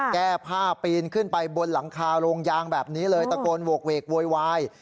แก้ผ้าปีนขึ้นไปบนหลังคาโรงยางแบบนี้เลยตะโกนโหกเวกโวยวาย